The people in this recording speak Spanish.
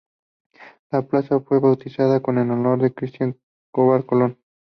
La plaza fue bautizada en honor de Cristóbal Colón.